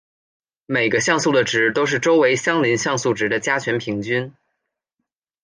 每个像素的值都是周围相邻像素值的加权平均。